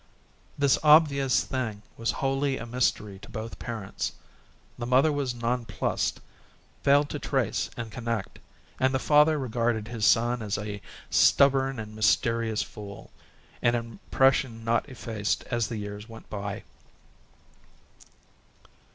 This obvious thing was wholly a mystery to both parents; the mother was nonplussed, failed to trace and connect; and the father regarded his son as a stubborn and mysterious fool, an impression not effaced as the years went by.